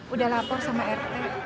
udah lapor sama rt